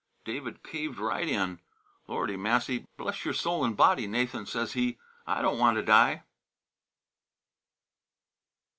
David caved right in. 'Lordy massy, bless your soul and body, Nathan!' says he, 'I don't want to die.'"